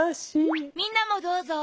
みんなもどうぞ。